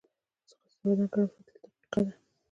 ځغاسته د بدن ګرم ساتلو طریقه ده